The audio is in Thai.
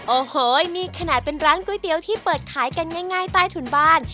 โอ้โหนี่ขนาดเป็นร้านก๋วยเตี๋ยวที่เปิดขายกันง่ายใต้ถุนบ้าน